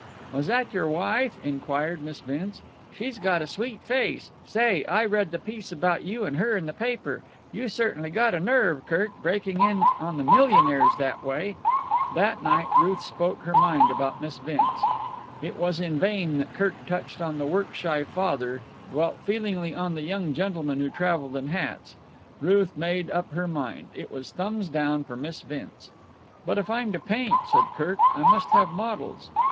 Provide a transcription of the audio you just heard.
"Was that your wife?" inquired Miss Vince. "She's got a sweet face. Say, I read the piece about you and her in the paper. You certainly got a nerve, Kirk, breaking in on the millionaires that way." That night Ruth spoke her mind about Miss Vince. It was in vain that Kirk touched on the work shy father, dwelt feelingly on the young gentleman who travelled in hats. Ruth had made up her mind. It was thumbs down for Miss Vince. "But if I'm to paint," said Kirk, "I must have models."